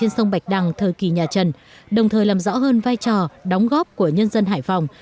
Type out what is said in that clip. sông bạch đằng thời kỳ nhà trần đồng thời làm rõ hơn vai trò đóng góp của nhân dân hải phòng